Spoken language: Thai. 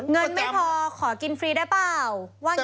เงินไม่พอขอกินฟรีได้เปล่า